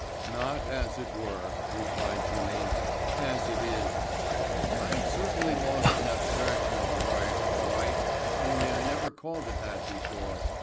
"Not as it were," replied Jimmy. "As it is. I'm certainly lost in abstraction all right, all right, only I never called it that before.